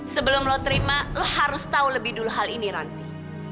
sebelum lo terima lo harus tahu lebih dulu hal ini nanti